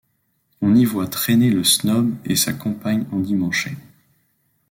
On y voit traîner le snob et sa compagne endimanchée.